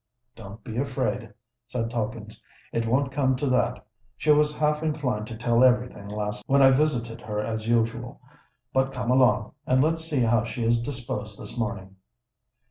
"Don't be afraid," said Tidkins: "it won't come to that. She was half inclined to tell every thing last night when I visited her as usual. But come along, and let's see how she is disposed this morning."